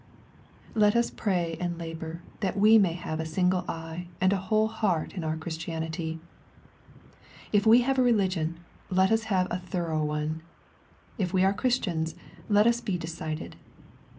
Let us pray and labor that we may have a single eye and a whole heart in our Christianity. If we have a religion, let us have a thorough one. If we are Chris tians, let us be decided.